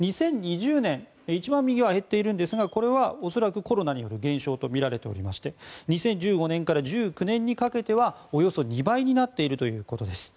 ２０２０年一番右は減っているんですがこれは恐らくコロナによる減少とみられていまして２０１５年から１９年にかけてはおよそ２倍になっているということです。